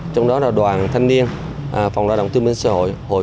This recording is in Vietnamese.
trong đó là đoàn thanh niên phòng lao động tư minh xã hội